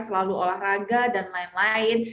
selalu olahraga dan lain lain